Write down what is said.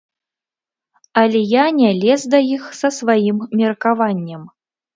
Але я не лез да іх са сваім меркаваннем.